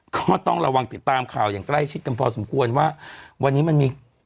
ก็ต้องระวังติดตามข่าวอย่างใกล้ชิดกันพอสมควรว่าวันนี้มันมี